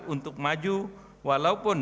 untuk maju walaupun